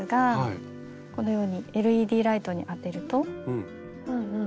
このようにＬＥＤライトに当てると。